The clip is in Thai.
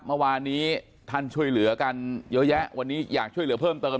เมื่อวานนี้ท่านช่วยเหลือกันเยอะแยะวันนี้อยากช่วยเหลือเพิ่มเติม